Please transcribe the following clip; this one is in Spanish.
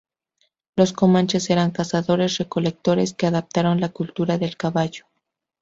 Los comanches eran cazadores-recolectores que adaptaron la cultura del caballo.